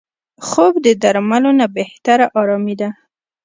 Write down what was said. خوب د درملو نه بهتره آرامي ده